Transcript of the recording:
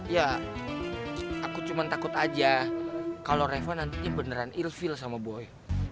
ya aku cuma takut aja kalau reva nantinya beneran ilfie sama boy